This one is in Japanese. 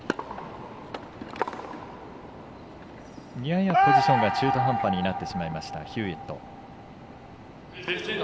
ややポジションが中途半端になってしまったヒューウェット。